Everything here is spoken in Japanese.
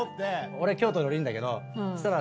俺京都で降りるんだけどそしたら。